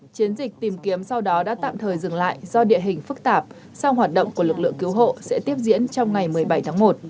chiến dịch tìm kiếm sau đó đã tạm thời dừng lại do địa hình phức tạp song hoạt động của lực lượng cứu hộ sẽ tiếp diễn trong ngày một mươi bảy tháng một